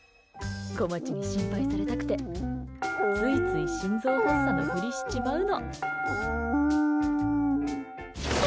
こまちに心配されたくてついつい心臓発作のふりしちまうの！